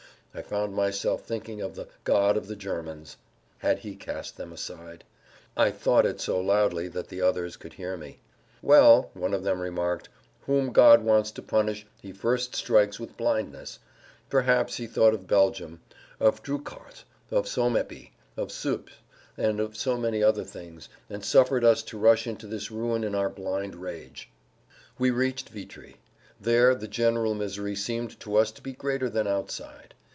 I found myself thinking of the "God of the Germans." Had He cast them aside? I "thought" it so loudly that the others could hear me. "Well," one of them remarked, "whom God wants to punish He first strikes with blindness. [Pg 106]Perhaps He thought of Belgium, of Drucharz, of Sommepy, of Suippes, and of so many other things, and suffered us to rush into this ruin in our blind rage." We reached Vitry. There the general misery seemed to us to be greater than outside.